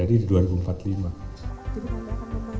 jadi di tahun dua ribu empat puluh lima